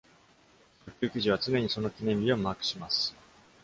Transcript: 遡及記事は常にその記念日をマークします。